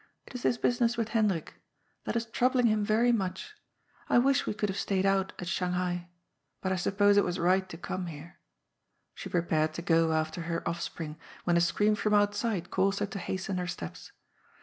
" It is this business with Hendrik. That is troubling him very much. I wish we could have stayed out at Shanghai. But I sup pose it was right to come here." She prepared to go after her offspring, when a scream from outside caused her to hasten her steps.